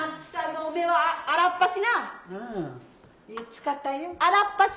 使ったよ。